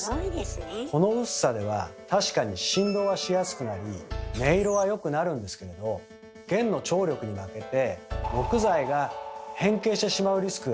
この薄さでは確かに振動はしやすくなり音色は良くなるんですけれど弦の張力に負けて木材が変形してしまうリスクがあるんです。